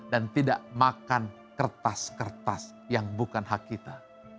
dan tidak makan kertas kertas yang bukan hak kita